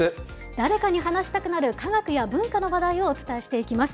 誰かに話したくなる科学や文化の話題をお伝えしていきます。